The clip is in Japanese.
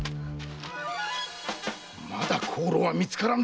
まだ香炉は見つからぬか？